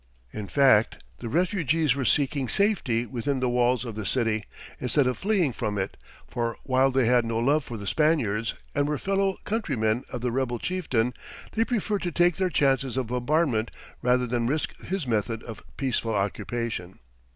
In fact, the refugees were seeking safety within the walls of the city, instead of fleeing from it, for while they had no love for the Spaniards, and were fellow countrymen of the rebel chieftain, they preferred to take their chances of bombardment rather than risk his method of "peaceful occupation."